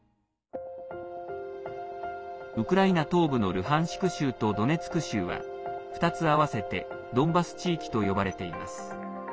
ウクライナ東部のルハンシク州とドネツク州は２つ合わせてドンバス地域と呼ばれています。